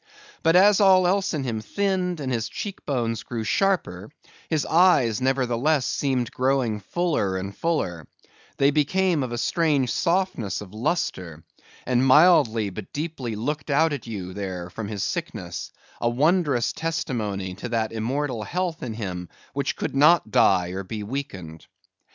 But as all else in him thinned, and his cheek bones grew sharper, his eyes, nevertheless, seemed growing fuller and fuller; they became of a strange softness of lustre; and mildly but deeply looked out at you there from his sickness, a wondrous testimony to that immortal health in him which could not die, or be weakened.